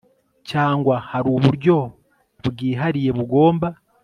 cyangwa hari uburyo bwihariye bugomba